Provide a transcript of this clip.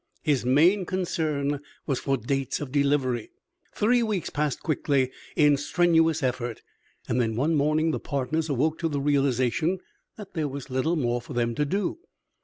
His main concern was for dates of delivery. Three weeks passed quickly in strenuous effort, and then one morning the partners awoke to the realization that there was little more for them to do.